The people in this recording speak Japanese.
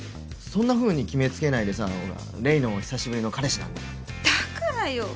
そんなふうに決めつけないでさ黎の久しぶりの彼氏なんだからだからよ